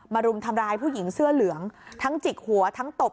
รุมทำร้ายผู้หญิงเสื้อเหลืองทั้งจิกหัวทั้งตบ